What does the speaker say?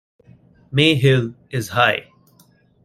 May Hill is high.